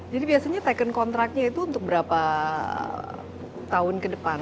jadi biasanya kontraknya itu untuk berapa tahun ke depan